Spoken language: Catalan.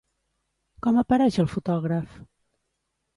Com apareix el fotògraf?